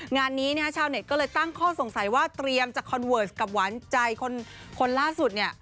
งานนี้ชาวเน็ตก็เลยตั้งข้อสงสัยว่าเตรียมจะคอนเวิร์สกับหวานใจคนล่าสุดเนี่ย